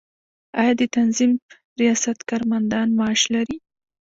آیا د تنظیف ریاست کارمندان معاش لري؟